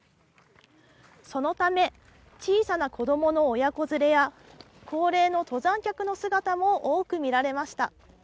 そのため、小さな子どもの親子連れや、高齢の登山客の姿も多く見られました。